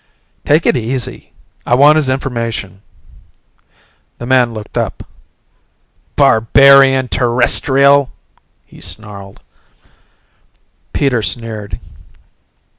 "Take it easy. I want his information." The man looked up. "Barbarian Terrestrial!" he snarled. Peter sneered.